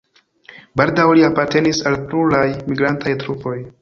Baldaŭ li apartenis al pluraj migrantaj trupoj.